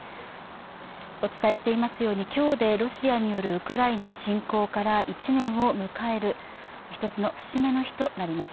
お伝えしていますように、今日でロシアによるウクライナ侵攻から１年を迎える１つの節目の日となります。